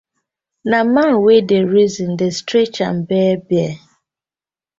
Na man wey dey reason dey scratch im bear-bear.